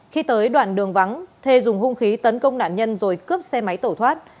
khi tới đoạn đường vắng thê dùng hung khí tấn công nạn nhân rồi cướp xe máy tẩu thoát